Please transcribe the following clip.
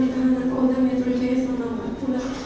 di tahanan kondang metrol b enam puluh empat pula